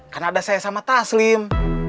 karena ada saya sama taslim